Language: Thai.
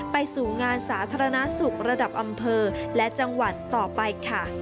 ไปสู่งานสาธารณสุขระดับอำเภอและจังหวัดต่อไปค่ะ